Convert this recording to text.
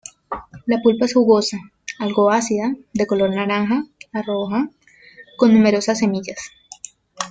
La pulpa es jugosa, algo ácida, de color naranja, a roja, con numerosas semillas.